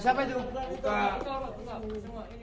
siapa itu buka